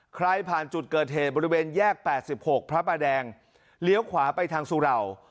ใครผ่านจุดเกิดเหตุบริเวณแยกแปดสิบหกพระประแดงเลี้ยวขวาไปทางสุราว